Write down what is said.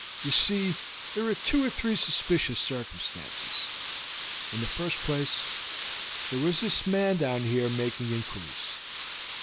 You see, there are two or three suspicious circumstances. In the first place, there was this man down here making inquiries.